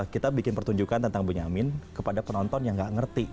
kita bikin pertunjukan tentang benyamin kepada penonton yang gak ngerti